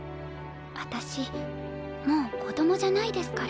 私もう子どもじゃないですから。